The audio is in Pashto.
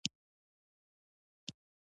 ښایست د اشنا سترګو له لید سره زیاتېږي